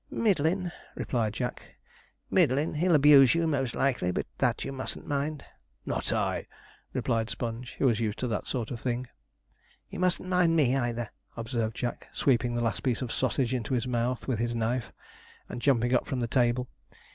'Middlin',' replied Jack, 'middlin'; he'll abuse you most likely, but that you mustn't mind.' 'Not I,' replied Sponge, who was used to that sort of thing. 'You mustn't mind me either,' observed Jack, sweeping the last piece of sausage into his mouth with his knife, and jumping up from the table.